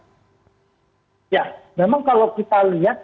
ya memang kalau kita lihat